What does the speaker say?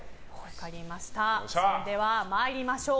それでは参りましょう。